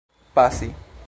pasi